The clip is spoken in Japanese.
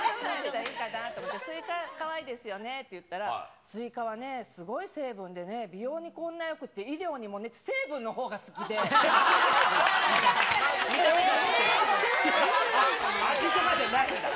スイカかわいいですよねって言ったら、スイカはね、すごい成分でね、美容にこんなによくって、医療にもねって、成分のほうが好味とかじゃないんだ。